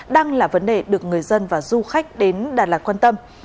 đang là vấn đề được người dân và du khách đến đà lạt quan tâm